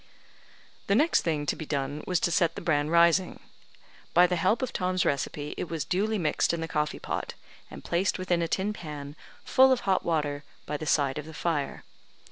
The next thing to be done was to set the bran rising. By the help of Tom's recipe, it was duly mixed in the coffee pot, and placed within a tin pan, full of hot water, by the side of the fire.